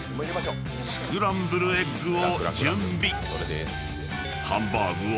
［スクランブルエッグを準備］